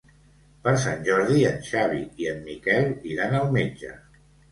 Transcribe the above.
Per Sant Jordi en Xavi i en Miquel iran al metge.